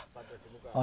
ada di muka